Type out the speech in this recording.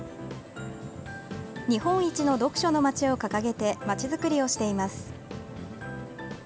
「日本一の読書のまち」を掲げてまちづくりをしています。